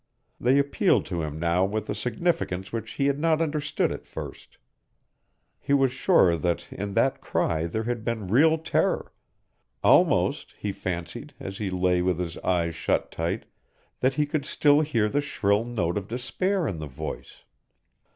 They appealed to him now with a significance which he had not understood at first. He was sure that in that cry there had been real terror; almost, he fancied, as he lay with his eyes shut tight, that he could still hear the shrill note of despair in the voice.